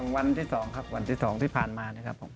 วันที่๒ครับวันที่๒ที่ผ่านมานะครับผม